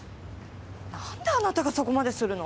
何であなたがそこまでするの？